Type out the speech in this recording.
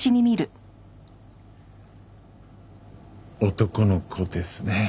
男の子ですね。